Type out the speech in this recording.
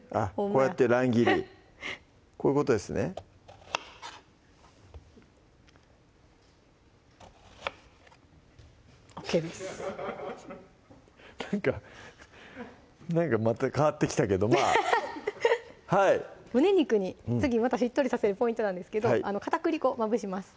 こうやって乱切りこういうことですねＯＫですなんかなんかまた変わってきたけどまぁはい胸肉に次またしっとりさせるポイントなんですけど片栗粉まぶします